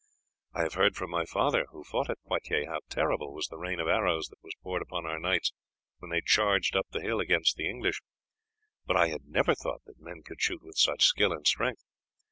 I have heard from my father, who fought at Poitiers, how terrible was the rain of arrows that was poured upon our knights when they charged up the hill against the English, but I had never thought that men could shoot with such skill and strength.